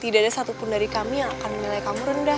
tidak ada satu pun dari kami yang akan menilai kamu rendah